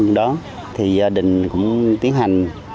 với đợt mưa thì gia đình cũng tiến hành